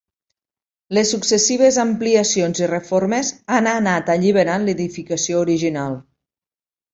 Les successives ampliacions i reformes han anat alliberant l'edificació original.